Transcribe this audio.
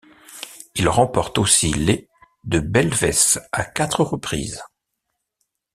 Il remporte aussi les de Belvès à quatre reprises.